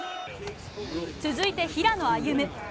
続いて平野歩夢。